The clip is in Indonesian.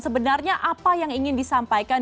sebenarnya apa yang ingin disampaikan